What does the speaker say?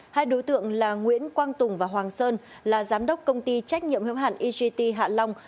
hai đối tượng là nguyễn quang tùng và hoàng sơn là giám đốc công ty trách nhiệm hiếu hạn egt hạ long